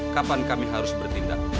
kapan kami harus bertindak